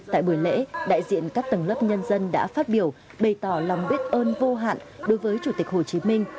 tại buổi lễ đại diện các tầng lớp nhân dân đã phát biểu bày tỏ lòng biết ơn vô hạn đối với chủ tịch hồ chí minh